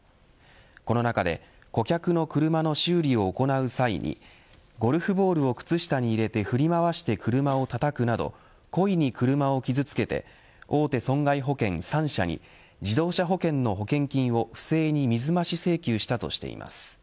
この中で顧客の車の修理を行う際にゴルフボールを靴下に入れて振り回して車をたたくなど故意に車を傷つけて大手損害保険３社に自動車保険の保険金を不正に水増し請求したとしています。